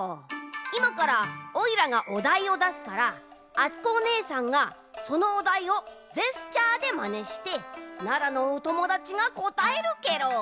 いまからオイラがおだいをだすからあつこおねえさんがそのおだいをジェスチャーでまねして奈良のおともだちがこたえるケロ。